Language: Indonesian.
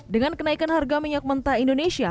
dengan kenaikan harga minyak mentah indonesia